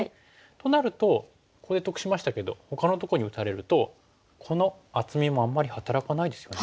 となるとここで得しましたけどほかのとこに打たれるとこの厚みもあんまり働かないですよね。